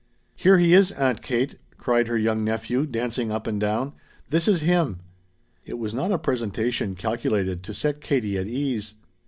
"Here he is, Aunt Kate!" cried her young nephew, dancing up and down. "This is him!" It was not a presentation calculated to set Katie at ease.